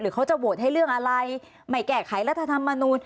เขาจะโหวตให้เรื่องอะไรไม่แก้ไขรัฐธรรมนูล